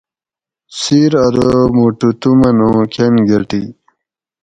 سِیر ارو مُٹو تُو من اُوں کٞن گٞٹی